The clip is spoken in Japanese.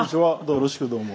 よろしくどうも。